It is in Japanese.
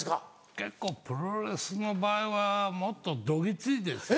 結構プロレスの場合はもっとどぎついですよね。